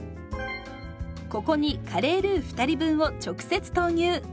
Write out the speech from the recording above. ここにカレールー２人分を直接投入。